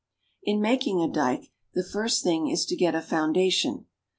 In making a dike the first thing is to get a foundation.